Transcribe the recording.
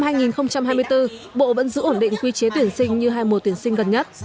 năm hai nghìn hai mươi bốn bộ vẫn giữ ổn định quy chế tuyển sinh như hai mùa tuyển sinh gần nhất